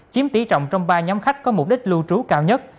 chiếm tỷ trọng trong ba nhóm khách có mục đích lưu trú cao nhất